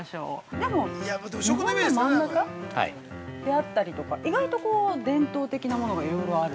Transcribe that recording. でも、日本の真ん中であったりとか、意外とこう、伝統的なものがいろいろある。